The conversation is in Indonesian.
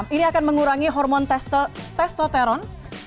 ini akan mengurangi hormon testoteron